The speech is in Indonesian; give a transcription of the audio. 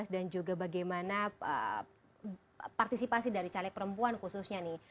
dan juga bagaimana partisipasi dari caleg perempuan khususnya nih